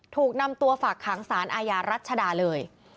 ถูกนำตัวฝากขังสารอาญารัชดาเลย